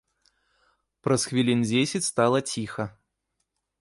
Праз хвілін дзесяць стала ціха.